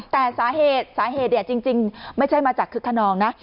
แต่สาเหตุสาเหตุจริงไม่ใช่มาจากคึกขนองนะ